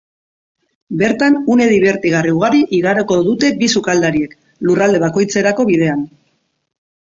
Bertan une dibertigarri ugari igaroko dute bi sukaldariek, lurralde bakoitzerako bidean.